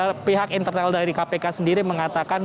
lebih jauh elvira pihak internal dari kpk sendiri mengatakan